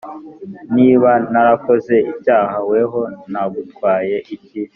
niba narakoze icyaha weho nagutwaye iki